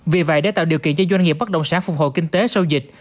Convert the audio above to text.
vì vậy để tạo điều kiện cho doanh nghiệp bất động sản phục hồi kinh tế sau dịch